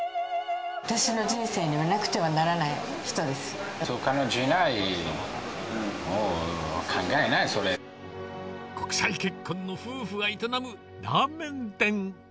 私の人生にはなくてはならな彼女いない、もう、考えられ国際結婚の夫婦が営むラーメン店。